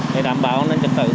để đảm bảo an ninh trật tự